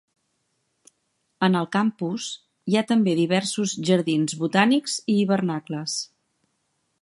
En el campus hi ha també diversos jardins botànics i hivernacles.